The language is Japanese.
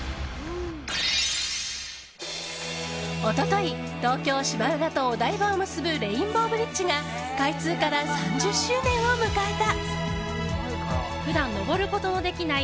一昨日、東京・芝浦とお台場を結ぶレインボーブリッジが開通から３０周年を迎えた。